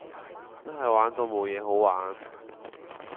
真係玩到無野好玩